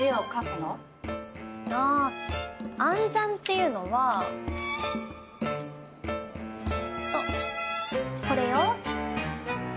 暗算っていうのはこれよ。